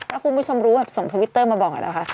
ถ้าคุณผู้ชมรู้ส่งทวิตเตอร์มาบอกกันแล้วค่ะ